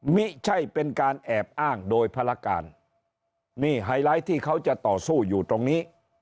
ไม่ใช่เป็นการแอบอ้างโดยภารการนี่ไฮไลท์ที่เขาจะต่อสู้อยู่ตรงนี้